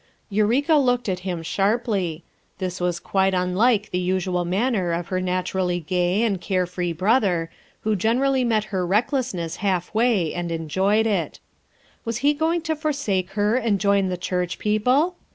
Eureka looked at him sharply. This was quite unlike the usual manner of her naturally gay and care free brother, who generally met her recklessness half way and enjoyed it. Was he going to forsake her and join the church people?